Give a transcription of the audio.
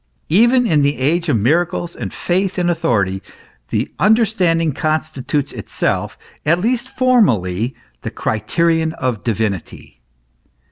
Even in the age of miracles and faith in authority, the understanding constitutes itself, at least formally, the criterion of divinity.